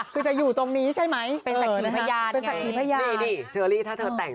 คือจะอยู่ตรงนี้ใช่ไหมเป็นสักขีพยานเป็นสักขีพยานนี่นี่เชอรี่ถ้าเธอแต่ง